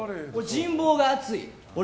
人望が厚い。